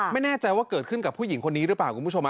ไม่แน่ใจว่าเกิดขึ้นกับผู้หญิงคนนี้หรือเปล่าคุณผู้ชม